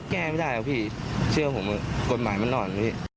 แก้ไม่ได้เชื่อผมกฎหมายมันอ่อน